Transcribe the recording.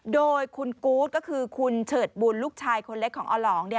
โดยคุณกู๊ดก็คือคุณเฉิดบุญลูกชายคนเล็กของอหลอง